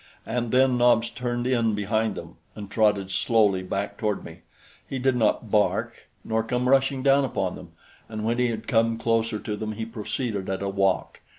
And then Nobs turned in behind them and trotted slowly back toward me. He did not bark, nor come rushing down upon them, and when he had come closer to them, he proceeded at a walk.